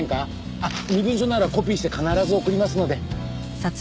あっ身分証ならコピーして必ず送りますので。